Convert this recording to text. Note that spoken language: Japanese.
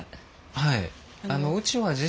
はい。